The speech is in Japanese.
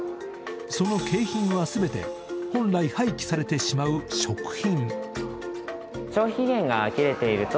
その景品は全て、本来廃棄されてしまう食品。